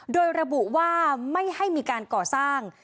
โดยระบุว่าไม่ให้มีการก่อสร้าง